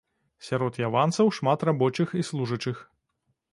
Сярод яванцаў шмат рабочых і служачых.